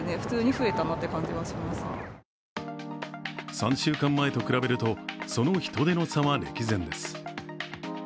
３週間前と比べると、その人出の差は歴然です。